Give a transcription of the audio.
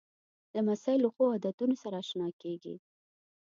لمسی له ښو عادتونو سره اشنا کېږي.